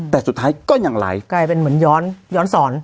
แต่สุดท้ายก็ยังไหลกลายเป็นเหมือนย้อนย้อนสอน